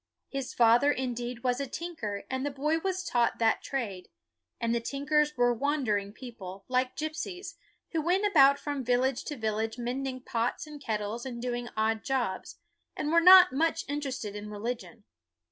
His father, indeed, was a tinker, and the boy was taught that trade; and the tinkers were wandering people, like gipsies, who went about from village to village mending pots and kettles and doing odd jobs, and were not much interested in religion.